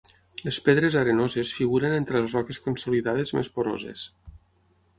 Les pedres arenoses figuren entre les roques consolidades més poroses.